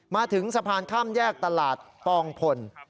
มาถึงสะพานข้ามแยกตลาดปองพล